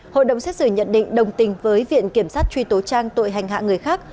hội đồng xét xử nhận định đồng tình với viện kiểm sát truy tố trang tội hành hạ người khác